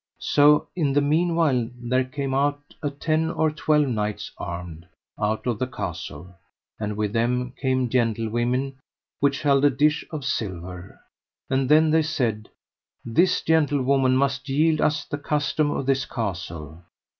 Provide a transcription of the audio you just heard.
So in the meanwhile there came out a ten or twelve knights armed, out of the castle, and with them came gentlewomen which held a dish of silver. And then they said: This gentlewoman must yield us the custom of this castle.